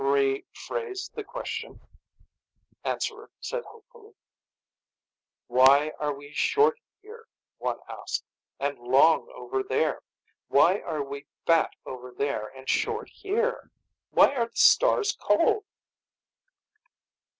"Rephrase the question," Answerer said hopefully. "Why are we short here," one asked, "And long over there? Why are we fat over there, and short here? Why are the stars cold?"